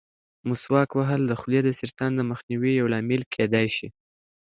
مسواک وهل د خولې د سرطان د مخنیوي یو لامل کېدای شي.